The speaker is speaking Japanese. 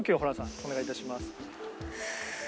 お願いいたします。